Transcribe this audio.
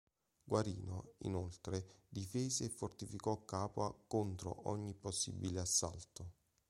Guarino inoltre difese e fortificò Capua contro ogni possibile assalto.